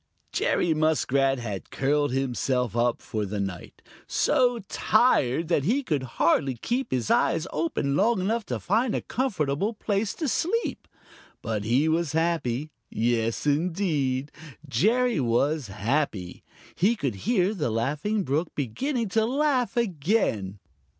Jerry Muskrat had curled himself up for the night, so tired that he could hardly keep his eyes open long enough to find a comfortable place to sleep. But he was happy. Yes, indeed, Jerry was happy. He could hear the Laughing Brook beginning to laugh again.